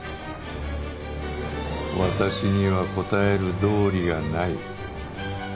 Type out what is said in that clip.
私には答える道理がない。